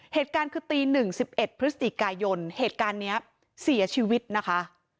เหตุการณ์คือตีหนึ่งสิบเอ็ดพฤศติกายนเหตุการณ์เนี้ยเสียชีวิตนะคะ